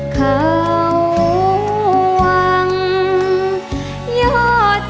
ก็ไม่เห็นวังเอียงเคียงชม